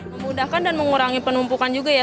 memudahkan dan mengurangi penumpukan juga ya